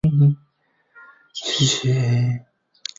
由同名小说改编而成。